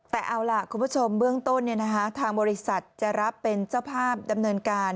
แต่เอาล่ะคุณผู้ชมเบื้องต้นทางบริษัทจะรับเป็นเจ้าภาพดำเนินการ